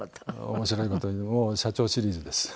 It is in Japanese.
面白い事にもう『社長』シリーズです。